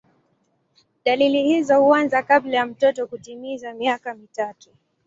Dalili hizo huanza kabla ya mtoto kutimiza miaka mitatu.